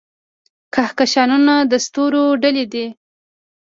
کهکشانونه د ستورو ډلې دي.